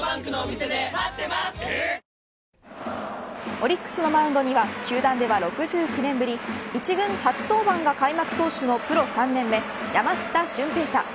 オリックスのマウンドには球団では６９年ぶり１軍初登板が開幕投手のプロ３年目山下舜平太。